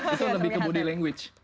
itu lebih ke body linguage